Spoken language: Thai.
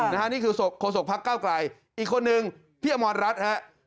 นะฮะนี่คือโขสกพักเก้าไกรอีกคนนึงพี่อมรรดรัชฮะ